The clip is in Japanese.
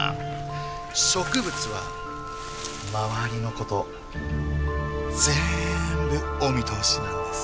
植物は周りのことぜんぶお見通しなんです。